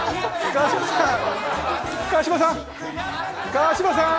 川島さん！